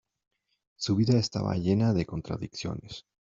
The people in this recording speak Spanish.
Su vida estaba llena de contradicciones.